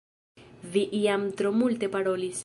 Vi jam tro multe parolis